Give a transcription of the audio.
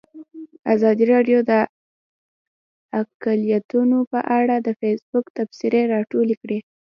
ازادي راډیو د اقلیتونه په اړه د فیسبوک تبصرې راټولې کړي.